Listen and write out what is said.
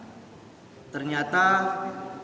setelah dilakukan pemeriksaan ternyata ada luka pada luka